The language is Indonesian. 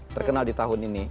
terkenal di tahun ini